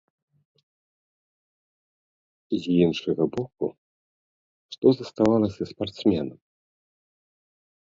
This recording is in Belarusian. З іншага боку, што заставалася спартсменам?